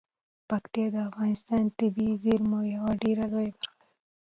پکتیکا د افغانستان د طبیعي زیرمو یوه ډیره لویه برخه ده.